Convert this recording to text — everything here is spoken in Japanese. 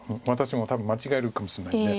私も多分間違えるかもしれないので。